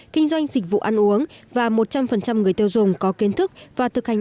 kinh doanh dịch vụ ăn uống và một trăm linh người tiêu dùng có kiến thức và thực hành